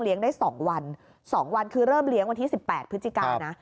ได้๒วัน๒วันคือเริ่มเลี้ยงวันที่๑๘พฤศจิกานะ